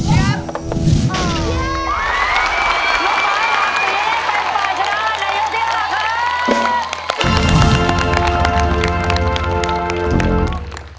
จริง